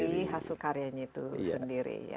dari hasil karyanya itu sendiri ya